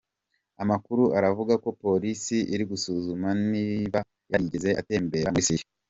Amakuru aravuga ko polisi iri gusuzuma niba yarigeze atemberera muri Siriya.